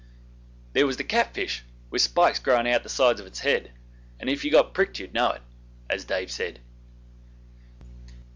There was the cat fish, with spikes growing out of the sides of its head, and if you got pricked you'd know it, as Dave said.